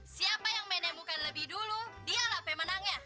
sampai jumpa di video selanjutnya